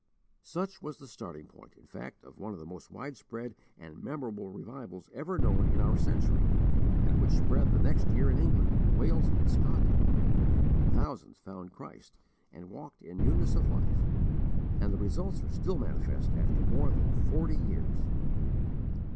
Such was the starting point, in fact, of one of the most widespread and memorable revivals ever known in our century, and which spread the next year in England, Wales, and Scotland. Thousands found Christ, and walked in newness of life; and the results are still manifest after more than forty years.